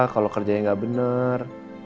kalau kerjanya gak benar